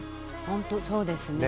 本当そうですね。